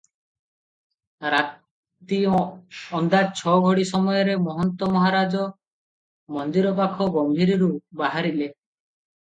ରାତି ଅନ୍ଦାଜ ଛ ଘଡ଼ି ସମୟରେ ମହନ୍ତ ମହାରାଜ ମନ୍ଦିର ପାଖ ଗମ୍ଭୀରିରୁ ବାହାରିଲେ ।